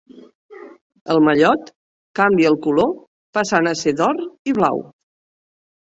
El mallot canvià el color passant a ser d'or i blau.